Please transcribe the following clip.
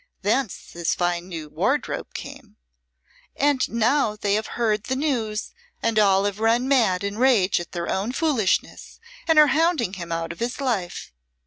Thence his fine new wardrobe came. And now they have heard the news and have all run mad in rage at their own foolishness, and are hounding him out of his life."